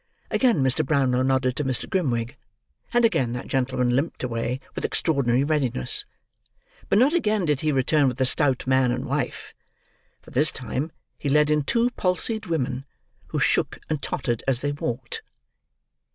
Again Mr. Brownlow nodded to Mr. Grimwig; and again that gentleman limped away with extraordinary readiness. But not again did he return with a stout man and wife; for this time, he led in two palsied women, who shook and tottered as they walked.